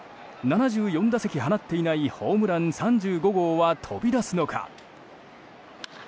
７４打席放っていないホームラン３５号は飛び出すのか。